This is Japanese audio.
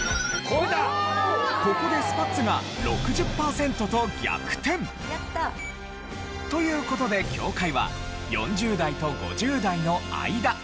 ここでスパッツが６０パーセントと逆転。という事で境界は４０代と５０代の間でした。